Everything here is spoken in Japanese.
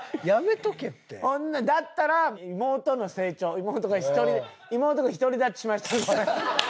だったら妹の成長妹が１人で妹が独り立ちしました。